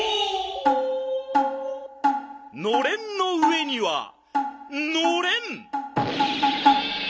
のれんの上にはのれん！